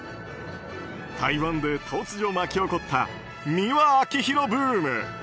台湾で突如巻き起こった美輪明宏ブーム。